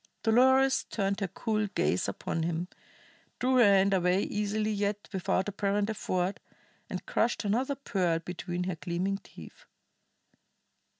Dolores turned her cool gaze upon him, drew her hand away easily yet without apparent effort, and crushed another pearl between her gleaming teeth.